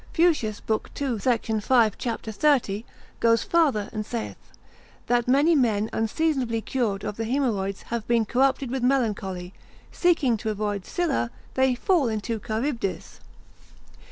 Fuchsius, l. 2. sect. 5. c. 30, goes farther, and saith, That many men unseasonably cured of the haemorrhoids have been corrupted with melancholy, seeking to avoid Scylla, they fall into Charybdis.